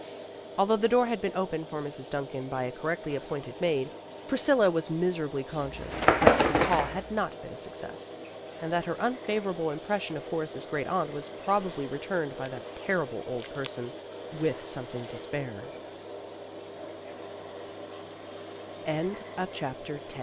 Although the door had been opened for Mrs. Duncan by a correctly appointed maid, Priscilla was miserably conscious that the call had not been a success, and that her unfavorable impression of Horace's great aunt was probably returned by that terrible old person with somet